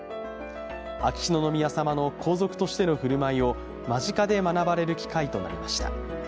秋篠宮さまの皇族としての振る舞いを間近で学ばれる機会となりました。